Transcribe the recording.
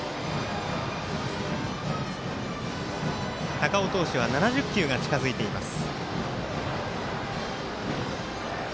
高尾投手は７０球が近づいています。